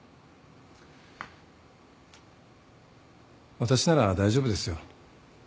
私なら大丈夫ですよ。